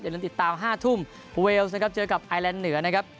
เจอกันติดตามห้าทุ่มเวลส์นะครับเจอกับไอลันด์เหนือนะครับ